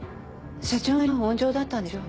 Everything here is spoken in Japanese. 社長なりの温情だったんでしょう。